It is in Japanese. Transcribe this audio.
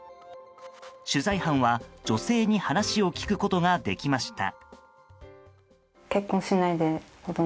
取材班は、女性に話を聞くことができました。